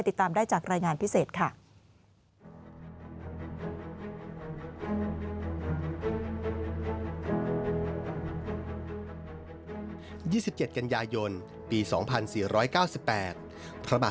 ติดตามได้จากรายงานพิเศษค่ะ